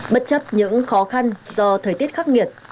bất chấp những khó khăn do thời tiết khắc nghiệt